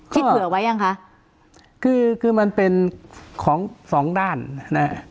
เผื่อไว้ยังคะคือคือมันเป็นของสองด้านนะฮะ